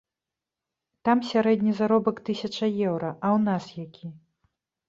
Там сярэдні заробак тысяча еўра, а ў нас які?